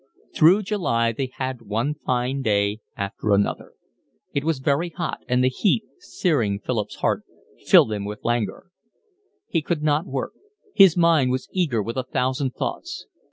Through July they had one fine day after another; it was very hot; and the heat, searing Philip's heart, filled him with languor; he could not work; his mind was eager with a thousand thoughts.